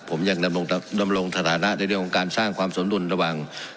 ผมยังนำลงนำลงฐานะในเรื่องของการสร้างความสนุนระหว่าง